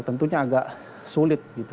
tentunya agak sulit gitu